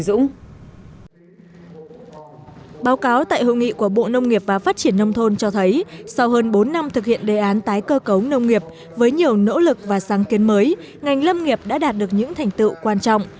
sau hơn bốn năm thực hiện đề án tái cơ cấu nông nghiệp với nhiều nỗ lực và sáng kiến mới ngành lâm nghiệp đã đạt được những thành tựu quan trọng